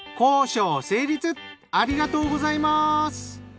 ありがとうございます！